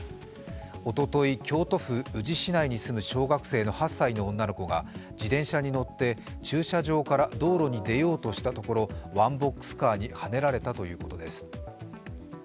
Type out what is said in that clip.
おととい、京都府宇治市内に住む小学生の８歳の女の子が自転車に乗って駐車場から道路に出ようとしたところ、ワンボックスカーにはねられたということです。